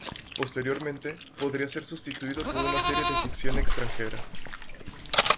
Posteriormente, podría ser sustituido por una serie de ficción extranjera.